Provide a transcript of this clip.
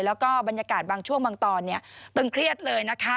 แล้วก็บรรยากาศบางช่วงบางตอนเนี่ยตึงเครียดเลยนะคะ